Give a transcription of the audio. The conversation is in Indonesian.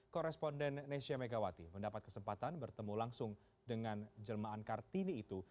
korresponden nesya megawati mendapat kesempatan bertemu langsung dengan jelma ankar tini itu